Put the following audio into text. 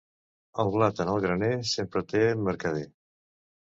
El blat en el graner sempre té mercader.